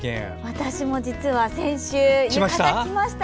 私も実は先週、浴衣を着ました。